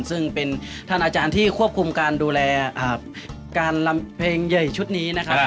ซึ่งเป็นท่านอาจารย์ที่ควบคุมการดูแลการลำเพลงใหญ่ชุดนี้นะครับ